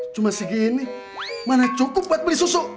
cuma segini mana cukup buat beli susu